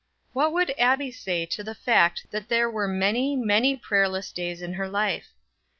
What would Abbie say to the fact that there were many, many prayerless days in her life?